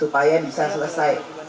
supaya bisa selesai